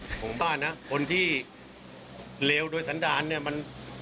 ไม่ต้องฝากอะไรครับผมว่านะคนที่เลวโดยสันดานเนี้ยมัน